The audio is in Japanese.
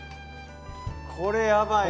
これやばいな。